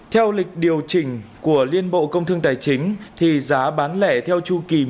theo lịch điều chỉnh của liên bộ công thương tài chính thì giá bán lẻ theo chu kỳ một mươi ngày một lần